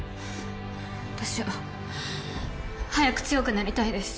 私は早く強くなりたいです。